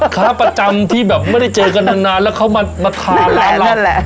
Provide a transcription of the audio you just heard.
ค้าประจำที่แบบไม่ได้เจอกันนานนานแล้วเขามามาทานนั่นแหละนั่นแหละ